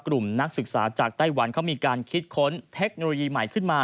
นักศึกษาจากไต้หวันเขามีการคิดค้นเทคโนโลยีใหม่ขึ้นมา